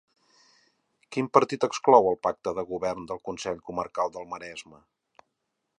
Quin partit exclou el pacte de govern del Consell Comarcal del Maresme?